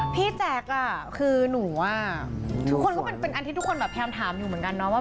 พี่แจ๊กอ่ะคือหนูว่าทุกคนก็เป็นอันที่ทุกคนแพรมถามอยู่เหมือนกันเนาะ